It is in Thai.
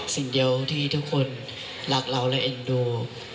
สิ่งเดียวที่ทุกคนรักเราและเอ็นดู